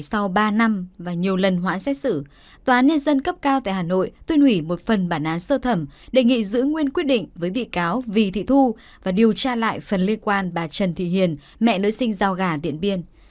sau ba năm và nhiều lần hoãn xét xử tòa án nhân dân cấp cao tại hà nội tuyên hủy một phần bản án sơ thẩm đề nghị giữ nguyên quyết định với bị cáo vì thị thu và điều tra lại phần liên quan bà trần thị hiền mẹ nữ sinh giao gà điện biên